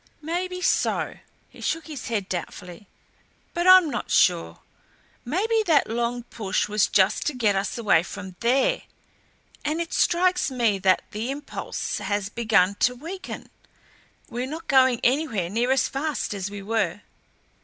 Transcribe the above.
"Maybe so," he shook his head doubtfully. "But I'm not sure. Maybe that long push was just to get us away from THERE. And it strikes me that the impulse has begun to weaken. We're not going anywhere near as fast as we were."